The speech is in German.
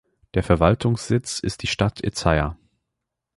Der Verwaltungssitz ist die Stadt Ezeiza.